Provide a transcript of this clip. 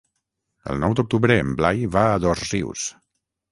El nou d'octubre en Blai va a Dosrius.